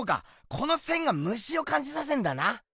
この線がムシをかんじさせんだな！